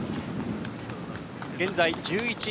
現在１１位